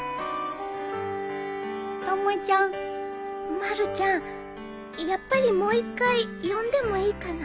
まるちゃんやっぱりもう一回呼んでもいいかな。